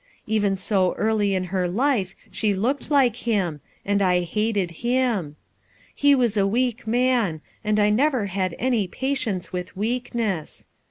Even so early in her life she looked like him, and I hated him. He was a weak man, and I never had any pa tience with weakness.